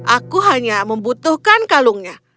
aku hanya membutuhkan kalungnya